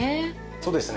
そうですね。